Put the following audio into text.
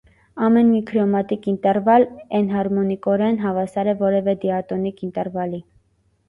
Ամեն մի քրոմատիկ ինտերվալ էնհարմոնիկորեն հավասար է որևէ դիատոնիկ ինտերվալի։